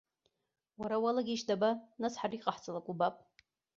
Уара уалагеишь, даба, нас ҳара иҟаҳҵалак убап.